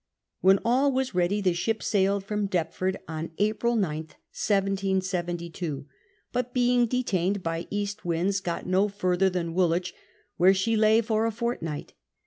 When all was ready, the ship sailed from Deptford on April 9th, 1772, but being detained by east winds got no farther than Woolwich, where she lay for a fort night.